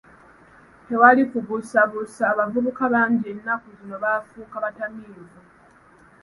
Tewali kubuusabuusa abavubuka bangi ennaku zino baafuuka batamiivu.